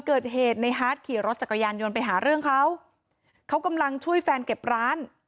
เกิดเหตุในฮาร์ดขี่รถจักรยานยนต์ไปหาเรื่องเขาเขากำลังช่วยแฟนเก็บร้าน